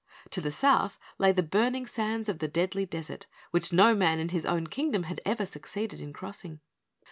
To the south lay the burning sands of the Deadly Desert, which no man in his own Kingdom had ever succeeded in crossing.